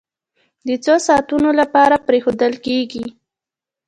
د څو ساعتونو لپاره پرېښودل کېږي.